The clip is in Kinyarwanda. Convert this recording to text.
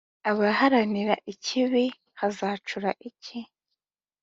abaharanira ikibi, hazacura iki?